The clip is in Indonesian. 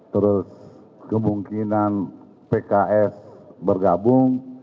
terus kemungkinan pks bergabung